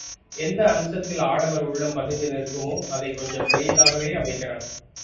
எந்த அம்சத்தில் ஆடவர் உள்ளம் பதிந்து நிற்குமோ அதைக் கொஞ்சம் பெரிதாகவே அமைக்கிறான்.